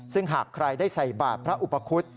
ซึ่งหากใครได้ใส่บาทพระอุปคุฎ